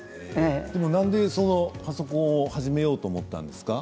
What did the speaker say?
なんでパソコンを始めようと思ったんですか？